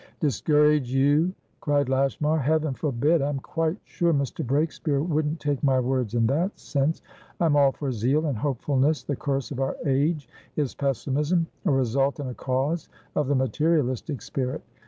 "Discourage you!" cried Lashmar. "Heaven forbid! I'm quite sure Mr. Breakspeare wouldn't take my words in that sense. I am all for zeal and hopefulness. The curse of our age is pessimism, a result and a cause of the materialistic spirit.